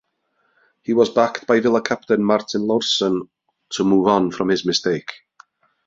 He was backed by Villa captain Martin Laursen to move on from his mistake.